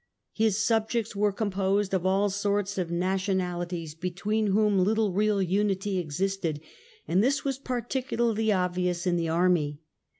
His subjects were composed of all sorts of nationahties between whom little real unity existed, and this was particularly obvious in the army.